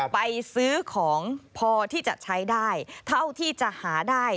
ไปซื้อของพอที่จะใช้ได้เท่าที่จะหาได้